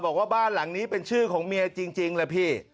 บอกว่าบ้านหลังนี้เป็นชื่อของเมียจริงแหละพี่